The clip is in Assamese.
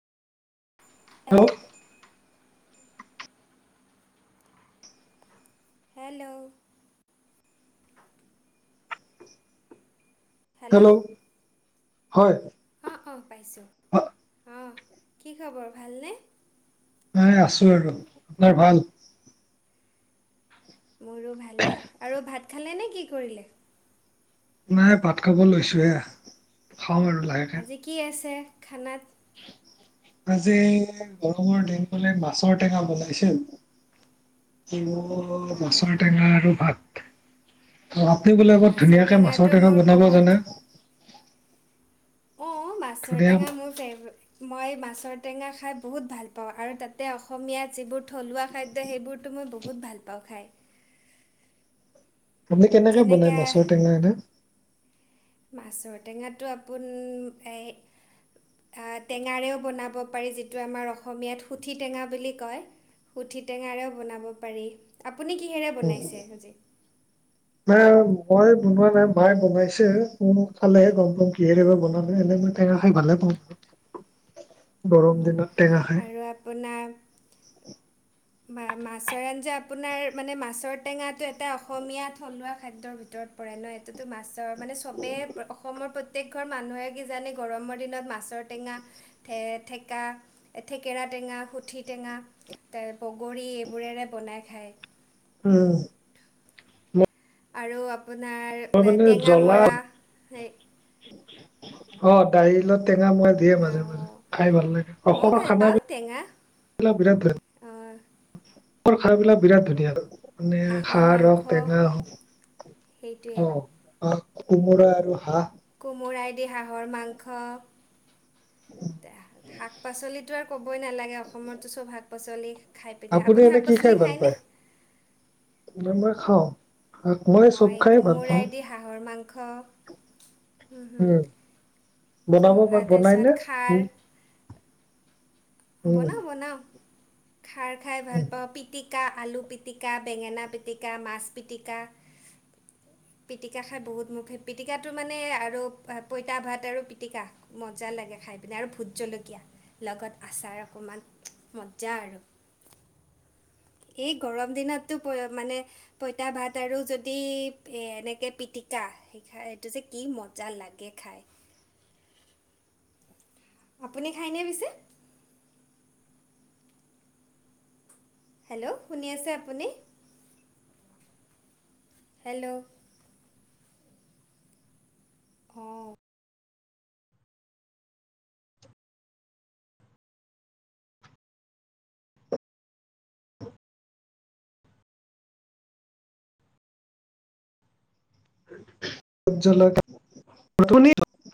হেল্ল'। হেল্ল'। হেল্ল' হয়। অঁ অঁ পাইছোঁ আ- অঁ কি খবৰ ভালনে। আছোঁ আৰু আপোনাৰ ভাল। মোৰো ভালে আৰু ভাত খালেনে কি কৰিলে। নাই ভাত খাবৰ লৈছোঁ হে। আজি কি আছে খানাত। উস্। [unintelligible] আজি গৰমৰ দিন মানে মাছৰ টেঙা বনাইছিল। তিয়ঁহ আহ, মাছৰ টেঙা আৰু ভাত। আপুনি বোলে আহ, বহুত মাছৰ ধুনীয়াকে টেঙাটো মাছৰ টেঙা মোৰ বনাব বহুত জানে। অঁ মাছৰ ধুনীয়া টেঙা মোৰ ফেভ মই মাছৰ। ঔটেঙা খাই বহুত ভাল পাওঁ আৰু তাতে অসমীয়া যিবোৰ থলুৱা খাদ্য সেইবোৰতো মই বহুত। বহুত ভাল পাওঁ খাই। আপুনি কেনেকে বনাই যেনেকৈ মাছৰ টেঙা এনে। মাছৰ টেঙাতটো আপোনাৰ এই। টেঙাৰেও বনাব পাৰি যিটো আমাৰ অসমীয়াত সুঠি টেঙা বুলি কয়। সুঠি টেঙাৰেও বনাব পাৰি আপুনি কিহেৰে উম, বনাইছে আজি? নাই মই বনোৱা নাই মায়ে বনাইছে ম চালেহে গম পাম কিব বনালো এনেকই টেঙা খাই ভালে পাওঁ। হয়। আৰু আপোনাৰ? মাছৰ আঞ্জা আপোনাৰ মানে মাছৰ টেঙাটো এটা অসমীয়া থলুৱা খাদ্যৰ ভিতৰত। ন এইো মা মানে চবে অসমৰ। প্ৰত্যেক ঘৰ মানুহে কিজানে গৰমৰ দিনত মাছৰ টেঙাে ঠেকা থেকেৰাত। টেঙা সুঠি টেঙা, ত বগৰী এইবোৰেৰে বনাই খায়। উম। আৰু মই আপোনাৰ মানে জ্বলা টেঙামৰা সেই। অ দাইলত টেঙা মৰাাই দিয়ে মাজে মাজে, আহ, খাই ভাল লাগে ময়ো অসমৰ ভাল খানা পাওঁ বিলাক। টেঙা বিৰাট আহ, ধুন খাইাবিলাক বিৰাট ধুনীয়া। মানে হাঁহৰ খাৰ মাংস হওক টেঙা হওক সেইটোৱে অ। কোমোৰা আৰু হাঁহ। কোমোৰাইদি হাঁহৰ মাংস। শাক পাচলি আৰু কবই নালাগে অসমতো চব শাক পাচলি। খাই পিনে আপুনি এনে শাক কি পাচলি খাই ভাল খায়নে পায়ই খাও। মই কোমোৰাইদি হাঁহৰ মাংস। উম হম। বনাব প বনাই নে? উম বনাওঁ বনাওঁ। খাৰ খাই ভাল উম পাওঁ পিটিক। আলু পিটিকা, বেঙেনা পিটিকা, মাছ পিটিকা। উ [inaudible] পিটিকা খাই বহুত মোৰে পিটকাটো মানে আৰু পঁইতা ভাত আৰু পিটিকা মজা লাগে। খাই পিনে আৰু ভোট জলকীয়া লগত। আচাৰ অকণমান মজা আৰু। এই গৰম দিনততো প মানে পঁইতা ভাত আৰু যদি এ এনেকে পিটিক। পিতিকা শা এইটো যে কি মজা লাগে খাই। [inaudible] আপুনি খাইনে পিছে? হেল্ল' শুনি আছে আপুনি? হেল্ল'। অঁ জলকীয়া প্ৰথ।